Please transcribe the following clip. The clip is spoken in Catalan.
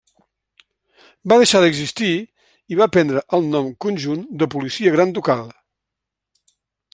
Va deixar d'existir i va prendre el nom conjunt de Policia Gran Ducal.